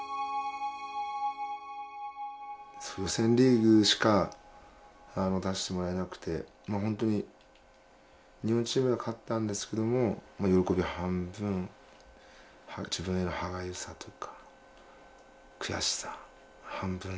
予選リーグしか出してもらえなくて日本チームが勝ったんですけども喜び半分自分への歯がゆさというか悔しさ半分で。